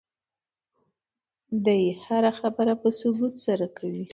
دی هره خبره په ثبوت سره کوي.